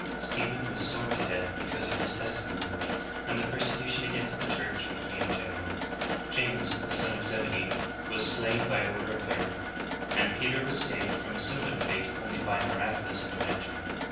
* Stephen was stoned to death because of his testimony;^ and the persecu tion against the Church became general.^ James, the son of Zebedee, was slain by order of Herod/ and Peter was saved from a similar fate only by a miraculous intervention.'"